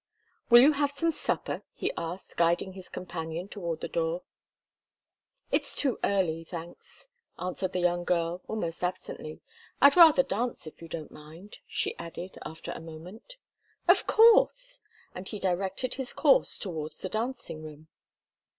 "Will you have some supper?" he asked, guiding his companion toward the door. "It's too early thanks," answered the young girl, almost absently. "I'd rather dance, if you don't mind," she added, after a moment. "Of course!" And he directed his course towards the dancing room.